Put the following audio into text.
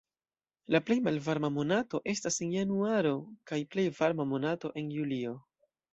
La plej malvarma monato estas en januaro kaj plej varma monato en julio.